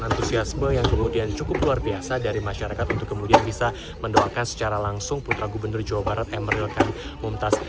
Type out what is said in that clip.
antusiasme yang kemudian cukup luar biasa dari masyarakat untuk kemudian bisa mendoakan secara langsung putra gubernur jawa barat emeril khan mumtaz